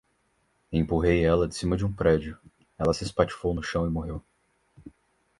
Empurrei ela de cima de um prédio, ela se espatifou no chão e morreu